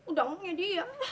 dikasih udah mau nyedih ya